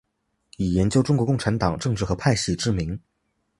以研究中国共产党政治和派系知名。